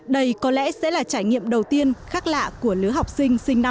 đây có lẽ sẽ là trải nghiệm đầu tiên khác lạ của lứa học sinh sinh năm một nghìn chín trăm chín mươi chín